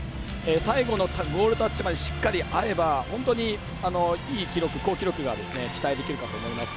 最後のゴールタッチまでしっかり合えば本当にいい記録、好記録が期待できるかと思います。